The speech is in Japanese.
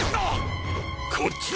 あっ！